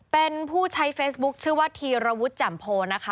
เป็นผู้ใช้เฟซบุ๊คชื่อว่าธีรวุฒิจำโพนะคะ